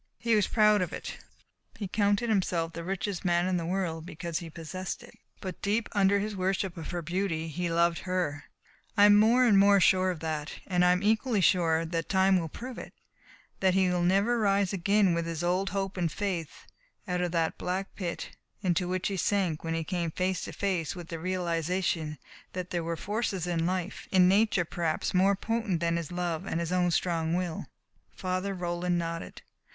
He was proud of it. He counted himself the richest man in the world because he possessed it. But deep under his worship of her beauty he loved her. I am more and more sure of that, and I am equally sure that time will prove it that he will never rise again with his old hope and faith out of that black pit into which he sank when he came face to face with the realization that there were forces in life in nature perhaps, more potent than his love and his own strong will." Father Roland nodded.